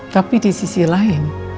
tapi di sisi lain